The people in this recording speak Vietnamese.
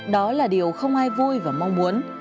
đó là điều không ai vui và mong muốn